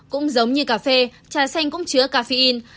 cũng giống như cà phê trà xanh cũng chứa caffeine